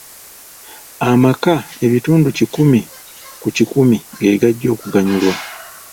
Amaka ebitundu kikumi ku kikumi ge gajja okuganyulwa.